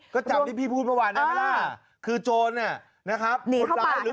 ก็จับที่พี่พูดเมื่อวานนะไหมล่ะคือโจรเนี้ยนะครับหนีเข้าปากใช่ไหม